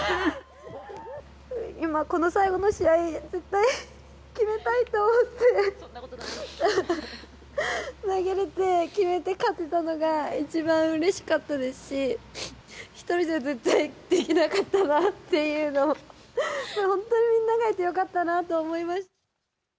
今、この最後の試合、絶対決めたいと思って、投げれて決めて勝てたのが一番うれしかったですし一人じゃ、絶対できなかったなっていうのを本当にみんながいてよかったなと思いました。